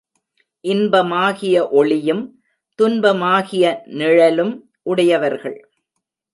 இன்பமாகிய ஒளியும், துன்பமாகிய நிழலும் உடையவர்கள்.